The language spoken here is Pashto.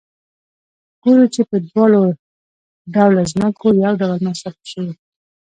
ګورو چې په دواړه ډوله ځمکو یو ډول مصارف شوي